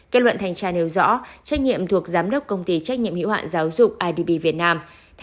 kết luận thành tra nếu rõ trách nhiệm thuộc giám đốc công ty trách nhiệm hữu hạn giáo dục idp việt nam